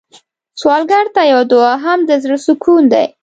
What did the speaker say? سوالګر ته یو دعا هم د زړه سکون دی